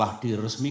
dan berikan sumber